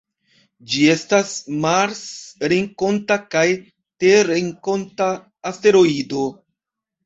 Ĝi estas marsrenkonta kaj terrenkonta asteroido.